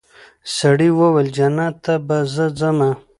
سړي وویل جنت ته به زه ځمه